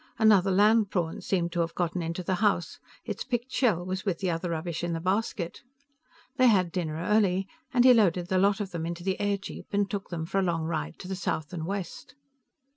Another land prawn seemed to have gotten into the house; its picked shell was with the other rubbish in the basket. They had dinner early, and he loaded the lot of them into the airjeep and took them for a long ride to the south and west.